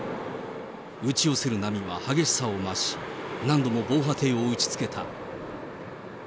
打ち寄せる波は激しさを増し、何度も防波堤を打ちつけた。